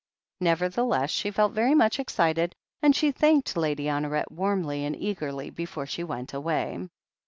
Nevertheless, she felt very much excited, and she thanked Lady Honoret warmly and eagerly before she went away.